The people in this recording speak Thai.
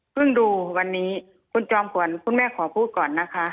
ดูวันนี้คุณจอมขวัญคุณแม่ขอพูดก่อนนะคะ